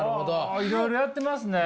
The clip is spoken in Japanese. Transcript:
はあいろいろやってますね！